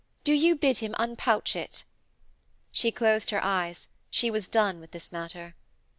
'Do you bid him unpouch it.' She closed her eyes; she was done with this matter.